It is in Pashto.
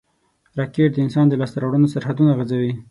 راکټ د انسان د لاسته راوړنو سرحدونه غځوي